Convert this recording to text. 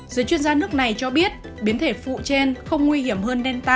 giới chuyên gia nước này cho biết biến thể phụ trên không nguy hiểm hơn delta